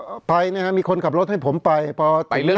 เพราะฉะนั้นประชาธิปไตยเนี่ยคือการยอมรับความเห็นที่แตกต่าง